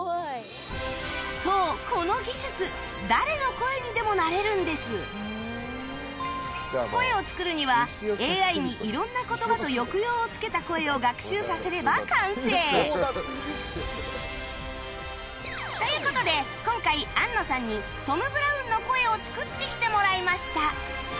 そうこの技術声を作るには ＡＩ にいろんな言葉と抑揚をつけた声を学習させれば完成という事で今回安野さんにトム・ブラウンの声を作ってきてもらいました